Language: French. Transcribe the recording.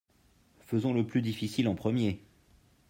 Faisons le plus difficile en premier.